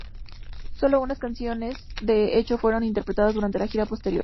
Solo unas pocas canciones de "Echo" fueron interpretadas durante la gira posterior.